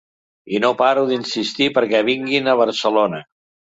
I no paro d’insistir perquè vinguin a Barcelona.